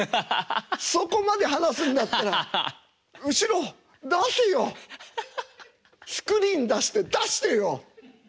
そこまで話すんだったら後ろ出せよスクリーン出して出してよって。